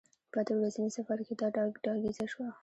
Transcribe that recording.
په اته ورځني سفر کې دا ډاګیزه شوه.